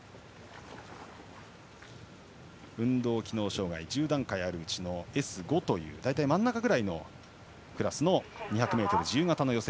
運動機能障がい１０段階あるうちのＳ５という大体真ん中くらいのクラスの２００ｍ自由形の予選